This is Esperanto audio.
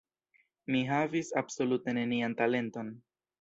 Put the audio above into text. Mi havis absolute nenian talenton.